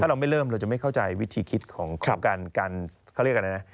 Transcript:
เราไม่เริ่มเราจะไม่เข้าใจวิธีคิดของการเขาเรียกอะไรนะ